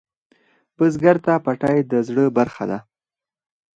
بزګر ته پټی د زړۀ برخه ده